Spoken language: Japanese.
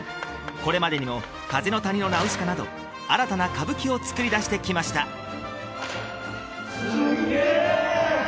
これまでにも「風の谷のナウシカ」など新たな歌舞伎を作りだしてきましたすっげー！